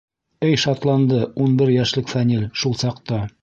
Эй шатланды ун бер йәшлек Фәнил шул саҡта.